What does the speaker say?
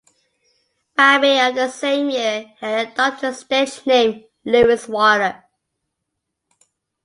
By May of the same year, he had adopted the stage name Lewis Waller.